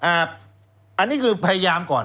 แล้วเขาก็ใช้วิธีการเหมือนกับในการ์ตูน